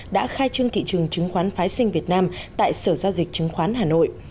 đã khai trương thị trường chứng khoán phái sinh việt nam tại sở giao dịch chứng khoán hà nội